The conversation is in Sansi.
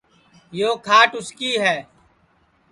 یو کھاٹ اُس کی ہے